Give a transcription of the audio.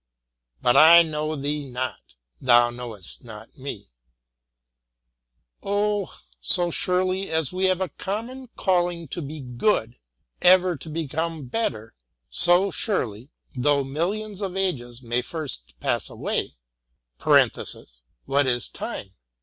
But I know thee not, — thou know est not me !— Oh ! so surely as we have a common calling to be good, — ever to become better, — so surely — though millions of ages may first pass away — (what is time!)